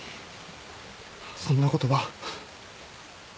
そんな言葉。